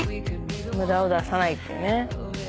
無駄を出さないっていうね。